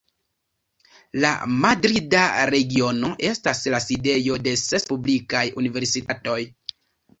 La Madrida Regiono estas la sidejo de ses publikaj universitatoj.